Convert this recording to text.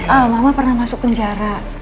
al mama pernah masuk penjara